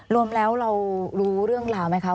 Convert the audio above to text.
รวมแล้วเรารู้เรื่องราวไหมคะ